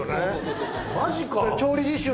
マジか。